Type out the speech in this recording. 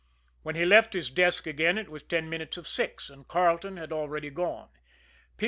When he left his desk again it was ten minutes of six, and Carleton had already gone. P.